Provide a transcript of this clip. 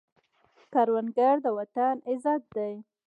کروندګر د وطن عزت دی